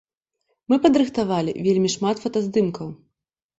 Мы падрыхтавалі вельмі шмат фотаздымкаў.